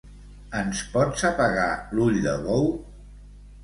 Ens pots apagar l'ull de bou?